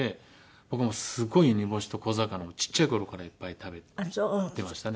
僕すごい煮干しと小魚をちっちゃい頃からいっぱい食べてましたね。